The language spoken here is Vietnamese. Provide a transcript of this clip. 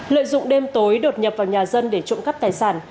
lợi dụng đêm tối đột nhập vào nhà dân để trộm cắp tài sản